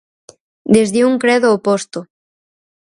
Desde un credo oposto.